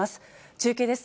中継です。